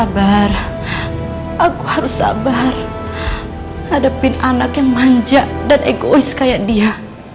bersabar hadapin anak yang manja dan egois kayak dia